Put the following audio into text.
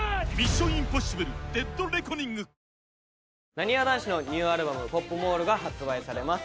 なにわ男子のニューアルバム『ＰＯＰＭＡＬＬ』が発売されます。